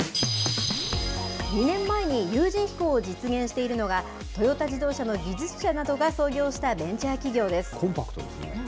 ２年前に有人飛行を実現しているのが、トヨタ自動車の技術者などが創業したベンチャー企業です。